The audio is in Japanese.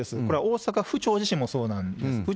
これは大阪府庁自身もそうなんです。